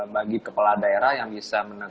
bagi kepala daerah yang bisa